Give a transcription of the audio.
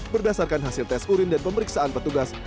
berdasarkan hasil tes urin dan pemeriksaan petugas